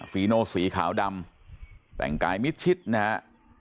ีโนสีขาวดำแต่งกายมิดชิดนะฮะ